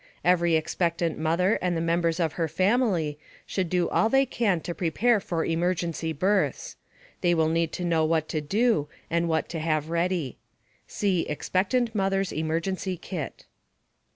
Every expectant mother and the members of her family should do all they can to prepare for emergency births. They will need to know what to do and what to have ready. (See "Expectant Mother's Emergency Kit.")